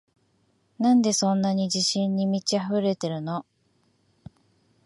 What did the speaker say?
なんでそんなに自信に満ちあふれてるの？